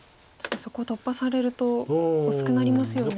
そこ突破されると薄くなりますよね。